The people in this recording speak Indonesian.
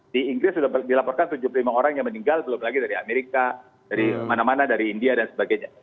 di inggris sudah dilaporkan tujuh puluh lima orang yang meninggal belum lagi dari amerika dari mana mana dari india dan sebagainya